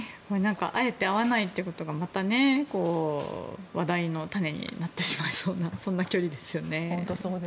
あえて会わないということがまた、話題の種になってしまいそうなそんな気がしますね。